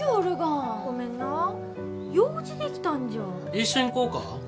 一緒に行こうか？